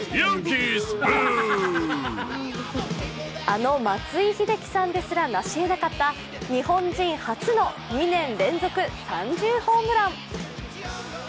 あの松井秀喜さんですらなしえなかった日本人初の２年連続３０ホームラン。